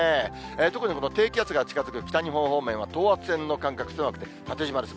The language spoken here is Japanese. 特に、この低気圧が近づく北日本方面は、等圧線の間隔が狭く、縦じまです。